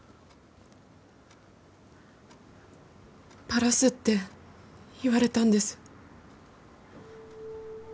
バラすって言われたんです。